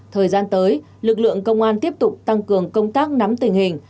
thời gian tới lực lượng công an tiếp tục tăng cường công tác nắm tình hình